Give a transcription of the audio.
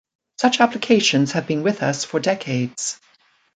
Such applications have been with us for decades.